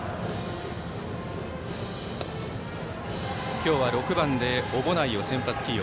今日は６番で小保内を先発起用。